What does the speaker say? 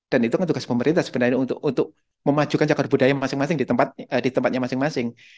dan itu kan tugas pemerintah sebenarnya untuk memajukan cakar budaya masing masing di tempatnya masing masing